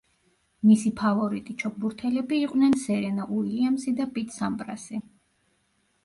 მისი ფავორიტი ჩოგბურთელები იყვნენ სერენა უილიამსი და პიტ სამპრასი.